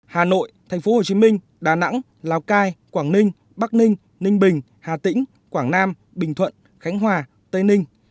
hà nội tp hcm đà nẵng lào cai quảng ninh bắc ninh ninh bình hà tĩnh quảng nam bình thuận khánh hòa tây ninh